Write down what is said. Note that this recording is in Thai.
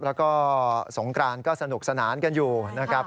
แล้วก็สงกรานก็สนุกสนานกันอยู่นะครับ